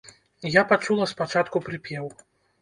Я пачула спачатку прыпеў.